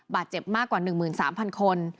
บาดเจ็บมากกว่า๑๓๐๐คน